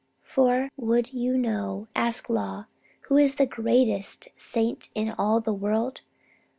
For, would you know, asks Law, who is the greatest saint in all the world?